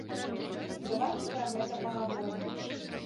Давайце пра гэта пагаворым.